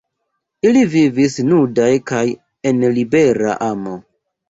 Ili vivis nudaj kaj en libera amo.